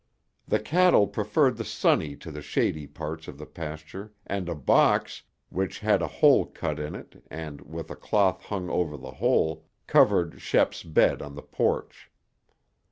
The cattle preferred the sunny to the shady parts of the pasture and a box, which had a hole cut in it and with a cloth hung over the hole, covered Shep's bed on the porch.